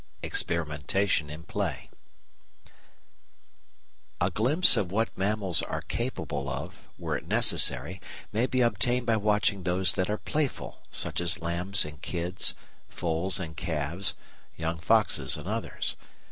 Experimentation in Play A glimpse of what mammals are capable of, were it necessary, may be obtained by watching those that are playful, such as lambs and kids, foals and calves, young foxes and others.